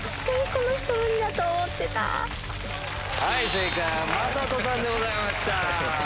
正解は魔裟斗さんでございました。